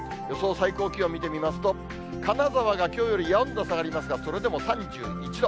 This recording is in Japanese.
最高気温見てみますと、金沢がきょうより４度下がりますが、それでも３１度。